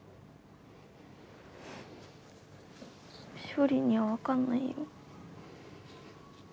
勝利には分かんないよ。